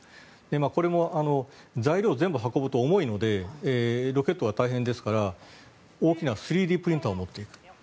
これも材料を全部運ぶと重いのでロケットが大変ですから大きな３Ｄプリンターを持っていく。